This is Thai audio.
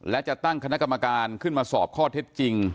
และจะตั้งคณะกรรมการขึ้นมาสอบข้อเท็จจริง